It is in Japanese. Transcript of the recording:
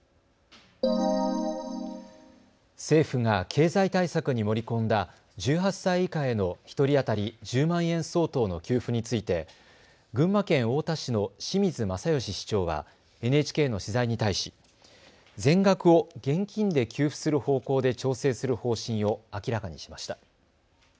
政府が経済対策に盛り込んだ１８歳以下への１人当たり１０万円相当の給付について群馬県太田市の清水聖義市長はＮＨＫの取材に対し、全額を現金で給付する方向で調整する方針を明らかにしました。